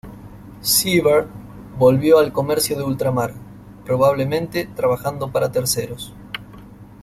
Seaver volvió al comercio de ultramar, probablemente trabajando para terceros.